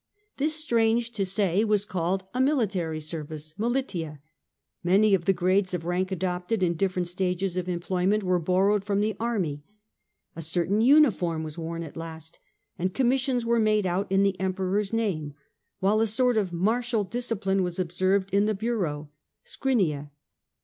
This, stiange to say, was called a military service (militia) ; many of the grades of rank adopted in different stages of em ployment were borrowed from the army ; a certain uni form was worn at last, and commissions were made out in the Emperoi*^s name, while a sort of martial discipline was observed in the bureaux (scrinia).